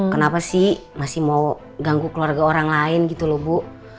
kenapa sih masih mau ganggu keluarga orang lain gitu loh bu